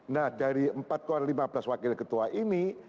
nah dari empat lima belas wakil ketua ini